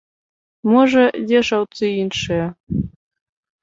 Можа, дзе шаўцы іншыя.